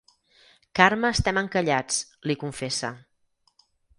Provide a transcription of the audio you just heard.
Carme estem encallats —li confessa—.